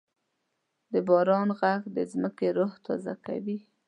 د باران ږغ د ځمکې روح تازه کوي.